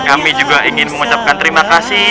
kami juga ingin mengucapkan terima kasih